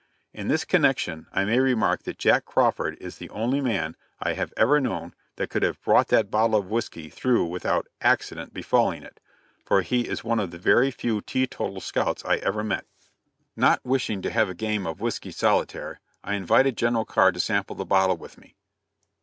In this connection I may remark that Jack Crawford is the only man I have ever known that could have brought that bottle of whiskey through without accident befalling it, for he is one of the very few teetotal scouts I ever met. Not wishing to have a game of "whiskey solitaire," I invited General Carr to sample the bottle with me.